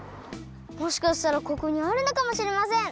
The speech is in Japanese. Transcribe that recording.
もしかしたらここにあるのかもしれません！